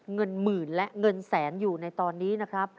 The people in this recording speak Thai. เงินหมื่นและเงินแสนอยู่ในตอนนี้นะครับ